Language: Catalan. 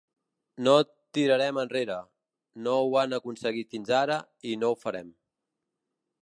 No tirarem enrere, no ho han aconseguit fins ara i no ho farem.